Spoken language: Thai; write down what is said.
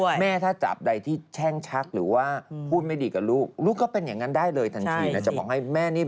อย่าพึ่งสิอีกเรื่องอะไร